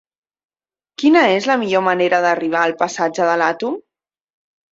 Quina és la millor manera d'arribar al passatge de l'Àtom?